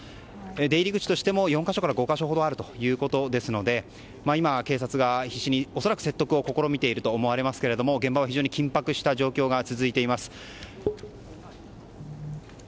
出入り口としても４か所から５か所ほどあるということですので今、警察が必死に恐らく説得を試みていると思いますが現場は非常に緊迫した状況が続いています。